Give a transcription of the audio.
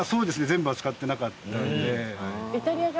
全部は使ってなかったんで。